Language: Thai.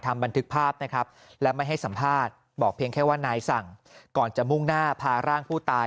บันทึกภาพนะครับและไม่ให้สัมภาษณ์บอกเพียงแค่ว่านายสั่งก่อนจะมุ่งหน้าพาร่างผู้ตาย